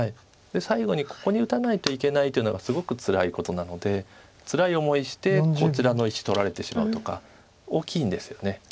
最後にここに打たないといけないというのがすごくつらいことなのでつらい思いしてこちらの石取られてしまうとか大きいんですよね。